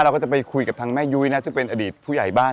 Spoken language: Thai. เราก็จะไปคุยกับทางแม่ยุ้ยนะซึ่งเป็นอดีตผู้ใหญ่บ้าน